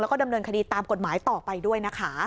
แล้วก็ดำเนินคดีตามกฎหมายต่อไปด้วยนะคะ